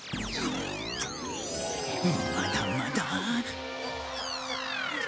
まだまだ。